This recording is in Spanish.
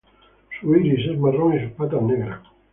Su iris es marrón y sus patas negras.